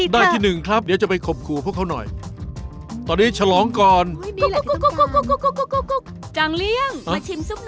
ได้แล้วค่ะได้แล้ว